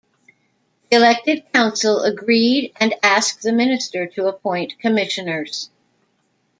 The elected council agreed and asked the Minister to appoint commissioners.